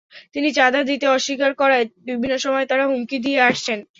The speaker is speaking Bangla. তিনি চাঁদা দিতে অস্বীকার করায় বিভিন্ন সময় তাঁরা হুমকি দিয়ে আসছেন।